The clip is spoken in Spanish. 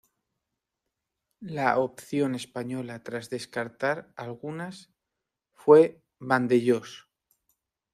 La opción española tras descartar algunas fue Vandellós.